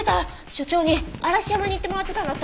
所長に嵐山に行ってもらってたんだった！